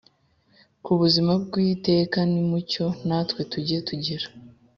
Ku buzima bw iteka nimucyo natwe tujye tugira